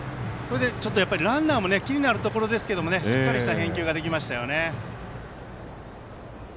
ランナーも気になるところですけどしっかりした返球ができましたね。